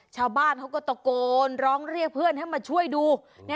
ชาวบ้านเขาก็ตะโกนร้องเรียกเพื่อนให้มาช่วยดู